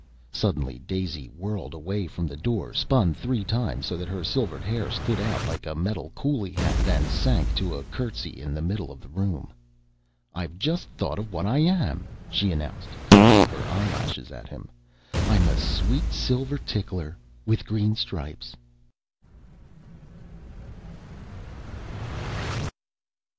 Suddenly Daisy whirled away from the door, spun three times so that her silvered hair stood out like a metal coolie hat, and sank to a curtsey in the middle of the room. "I've just thought of what I am," she announced, fluttering her eyelashes at him. "I'm a sweet silver tickler with green stripes."